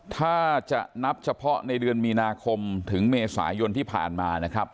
ถ้าจะนับเฉพาะในเดือนมีนาคมถึงเมษายนที่ผ่านมานะครับ